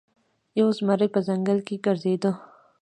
یو زمری په ځنګل کې ګرځیده.